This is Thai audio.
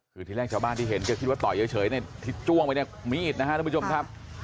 คือที่แรกชาวบ้านที่เห็นจะคิดว่าต่อยเฉยในที่จ้วงไปเนี่ยมีดนะครับทุกผู้ชมครับ